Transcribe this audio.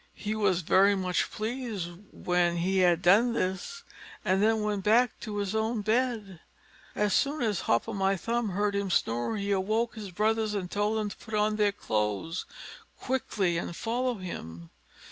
He was very much pleased when he had done this, and then went back to his own bed. As soon as Hop o' my thumb heard him snore, he awoke his brothers, and told them to put on their clothes quickly, and follow him.